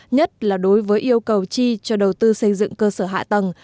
nhất là đối với yêu cầu chi cho đầu tư xây dựng cơ sở hạ tầng